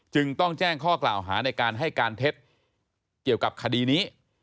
จึงต้องแจ้งข้อกล่าวหาในการให้การเท็จเกี่ยวกับคดีนี้